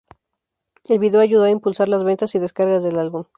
El video ayudó a impulsar las ventas y descargas del álbum.